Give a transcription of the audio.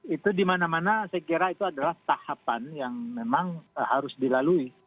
itu dimana mana saya kira itu adalah tahapan yang memang harus dilalui